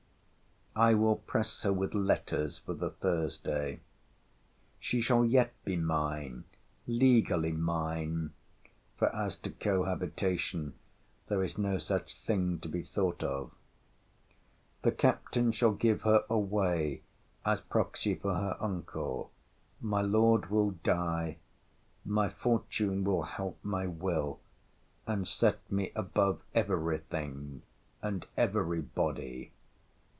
I will press her with letters for the Thursday. She shall yet be mine, legally mine. For, as to cohabitation, there is no such thing to be thought of. The Captain shall give her away, as proxy for her uncle. My Lord will die. My fortune will help my will, and set me above every thing and every body.